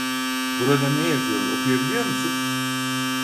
Burada ne yazıyor, okuyabiliyor musun?